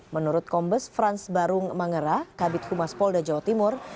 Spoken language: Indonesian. menurut kombes frans barung mangera kabit humas polda jawa timur